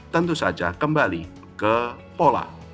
tentu saja kembali ke pola